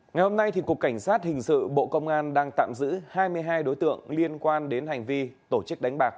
ngày hôm nay cục cảnh sát hình sự bộ công an đang tạm giữ hai mươi hai đối tượng liên quan đến hành vi tổ chức đánh bạc